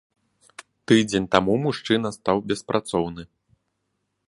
Тыдзень таму мужчына стаў беспрацоўны.